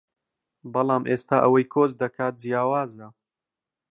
بەڵام ئێستا ئەوەی کۆچ دەکات جیاوازە